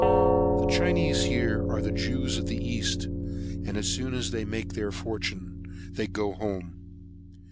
The Chinese are here the Jews of the East, and as soon as they make their fortune, they go home.